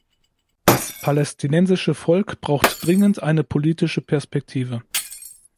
Das palästinensische Volk braucht dringend eine politische Perspektive.